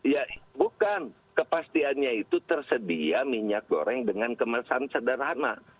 ya bukan kepastiannya itu tersedia minyak goreng dengan kemasan sederhana